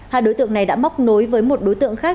hai đối tượng này đã móc nối với một đối tượng khác